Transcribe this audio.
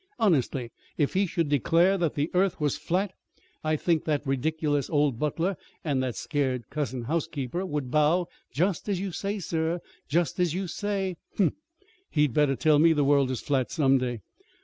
Honestly, if he should declare that the earth was flat, I think that ridiculous old butler and that scared cousin housekeeper would bow: 'Just as you say, sir, just as you say.' Humph! He'd better tell me the world is flat, some day."